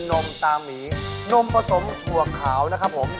นมตามีนมผสมถั่วขาวนะครับผม